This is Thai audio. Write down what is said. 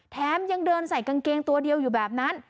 แถมยังเดินใส่กางเกงตัวเดียวอยู่แบบนั้น